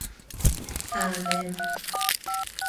Ámen